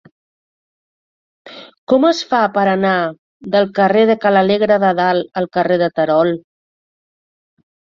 Com es fa per anar del carrer de Ca l'Alegre de Dalt al carrer de Terol?